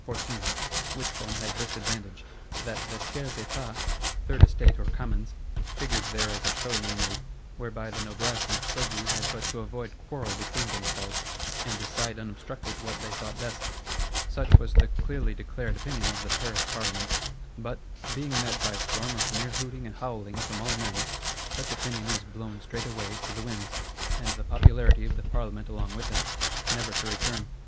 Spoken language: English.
Which form had this advantage, that the Tiers Etat, Third Estate, or Commons, figured there as a show mainly: whereby the Noblesse and Clergy had but to avoid quarrel between themselves, and decide unobstructed what they thought best. Such was the clearly declared opinion of the Paris Parlement. But, being met by a storm of mere hooting and howling from all men, such opinion was blown straightway to the winds; and the popularity of the Parlement along with it,—never to return.